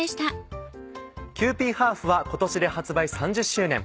「キユーピーハーフ」は今年で発売３０周年。